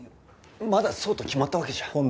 まだそうと決まったわけじゃ。